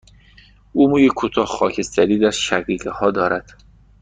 او موی کوتاه، خاکستری در شقیقه ها دارد.